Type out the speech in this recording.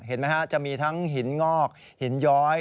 เห็นไหมฮะจะมีทั้งหินงอกหินย้อย